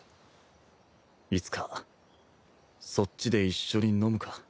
いつかそっちで一緒に飲むか。